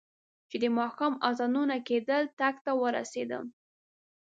چې د ماښام اذانونه کېدل ټک ته ورسېدم.